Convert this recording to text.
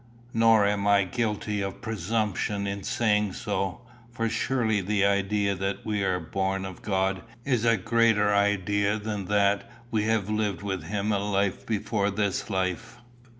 Nor am I guilty of presumption in saying so, for surely the idea that we are born of God is a greater idea than that we have lived with him a life before this life.